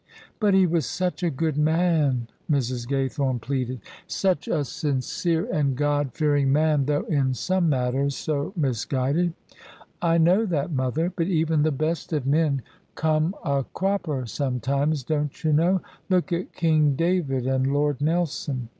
" But he was such a good man," Mrs. Gaythome pleaded :" such a sincere and God fearing man, though in some mat ters so misguided." " I know that, mother: but even the best of men come a OF ISABEL CARNABY Cropper sometimes, don't you know? Look at King David and Lord Nelson."